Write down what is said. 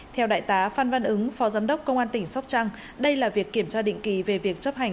theo đại tá phan văn ứng phó giám đốc công an tỉnh sóc trăng đây là việc kiểm tra định kỳ về việc chấp hành